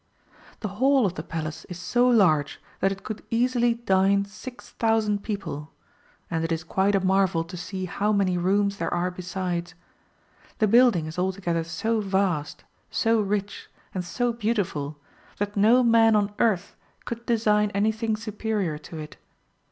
]^ The Hall of the Palace is so large that it could easily dine 6000 people ; and it is quite a marvel to see how many rooms there are besides. The building is altogether so vast, so rich, and so beautiful, that no man on earth could design anything superior to it.